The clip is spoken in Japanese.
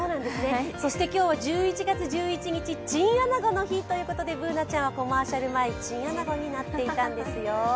そして今日は１１月１１日、チンアナゴの日ということでＢｏｏｎａちゃんはコマーシャル前、チンアナゴになっていたんですよ